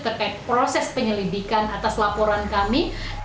terkait proses penyelidikan atas laporan kami